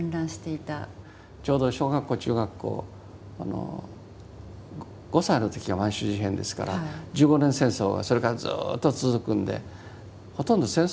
ちょうど小学校中学校５歳の時が満州事変ですから十五年戦争はそれからずっと続くんでほとんど戦争の間に育ったわけです。